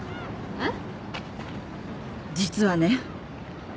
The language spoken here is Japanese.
えっ？